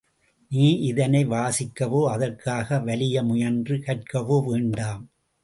நீ இதனை வாசிக்கவோ அதற்காக வலிய முயன்று கற்கவோ வேண்டாம்!